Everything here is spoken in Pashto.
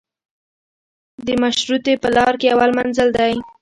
د مشروطې په لار کې اول منزل دی.